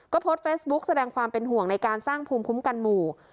ก็โพสต์เฟซบุ๊กแสดงความเป็นห่วงในการสร้างภูมิคุ้มกันหมู่